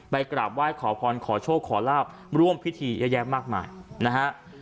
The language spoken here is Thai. กราบไหว้ขอพรขอโชคขอลาบร่วมพิธีเยอะแยะมากมายนะฮะ